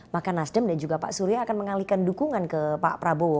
maka nasdem dan juga pak surya akan mengalihkan dukungan ke pak prabowo